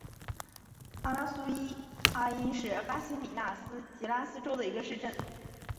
阿拉苏阿伊是巴西米纳斯吉拉斯州的一个市镇。